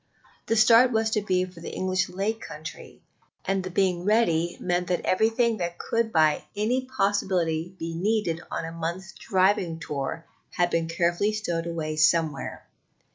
The start was to be for the English Lake Country, and the being ready meant that everything that could by any possibility be needed on a month's driving tour had been carefully stowed away somewhere.